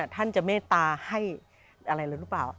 ท่านจะเมตตาให้อะไรเลยหรือเปล่า